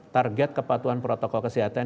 target kepatuhan protokol kesehatan